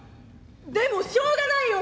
でもしょうがないよ！